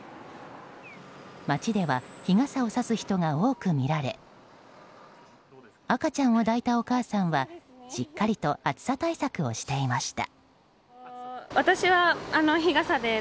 街では日傘をさす人が多くみられ赤ちゃんを抱いたお母さんはしっかりと暑さ対策をしていました。